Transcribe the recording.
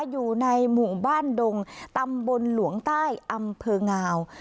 อยู่ในหมู่บ้านดงตำบลหลวงใต้อำเภองาว